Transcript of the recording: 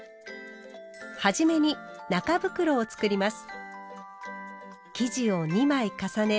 初めに中袋を作ります。